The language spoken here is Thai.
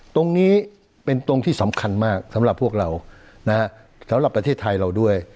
ตรงนี้เป็นตรงที่สำคัญมากสำหรับพวกเรานะฮะสำหรับประเทศไทยเราด้วย